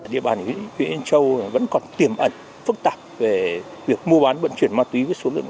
địa bàn huyện yên châu vẫn còn tiềm ẩn phức tạp về việc mua bán vận chuyển ma túy với số lượng